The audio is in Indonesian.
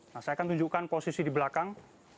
nah saya akan tunjukkan posisi di belakang